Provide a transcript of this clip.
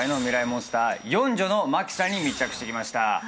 モンスター四女の茉輝さんに密着してきました。